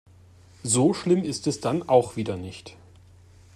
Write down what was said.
So schlimm ist es dann auch wieder nicht.